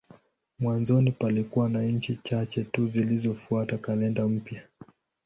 Mwanzoni palikuwa na nchi chache tu zilizofuata kalenda mpya.